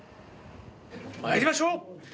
まいりましょう！